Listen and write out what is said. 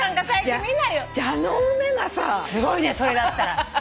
すごいねそれだったら。